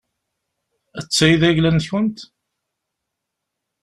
D ta i d ayla-nkent?